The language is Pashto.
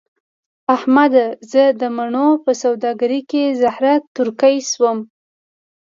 احمده! زه د مڼو په سوداګرۍ کې زهره ترکی شوم.